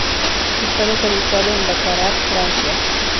Está localizada en Baccarat, Francia.